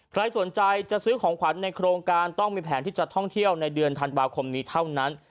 ใครสนใจจะซื้อของขวัญในโครงการต้องมีแผนที่จะท่องเที่ยวในเดือนธันวาคมนี้เท่านั้น